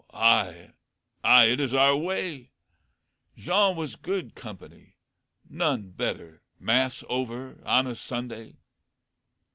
Ay, ay, it is our way. Jean was good company none better, mass over, on a Sunday.